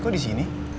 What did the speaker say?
kok di sini